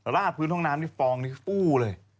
ราดพื้นห้องน้ำนี่ฟองนี้ฟู้เลย